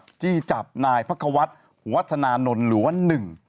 จี้จับนายพระควัฒน์วัฒนานนท์หรือว่าหนึ่ง